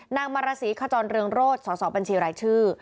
นางมรสิขจรเรืองโรธสปัญชีรายชื่อ